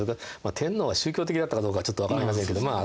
天皇は宗教的だったかどうかちょっと分かりませんけどまあ